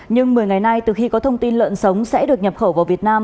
nhưng một mươi ngày nay từ khi có thông tin lợn sống sẽ được nhập khẩu vào việt nam